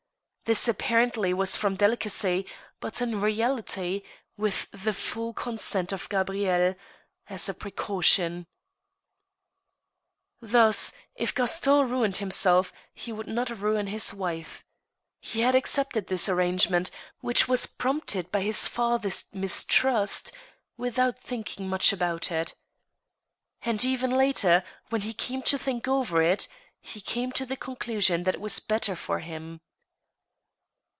This apparently was from delicacy, but in reality, with the full consent of Gabrielle, as a precaution. 44 THS STEEL HAMMER. Thus, if Gaston ruined himself, he would not ruin his wife. He had accepted this arrangement, which was prompted by his father's mistrust, without thinking much about it. And even later, when he came to think over it, he came to the ccmclusion that it was better for him.